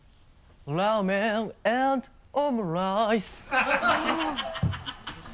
ラーメンアンドオムライスハハハ